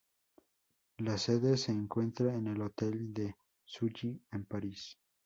La sede se encuentra en el Hôtel de Sully en París.